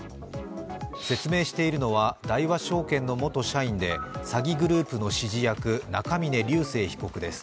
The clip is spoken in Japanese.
説明しているのは大和証券の元社員で詐欺グループの指示役中峯竜晟被告です。